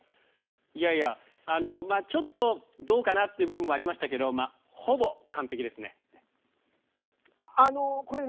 いやいや、ちょっとどうかなっていう部分もありましたけどほぼ完璧ですね。